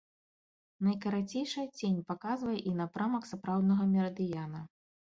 Найкарацейшая цень паказвае і напрамак сапраўднага мерыдыяна.